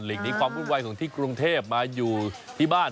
หนีความวุ่นวายของที่กรุงเทพมาอยู่ที่บ้าน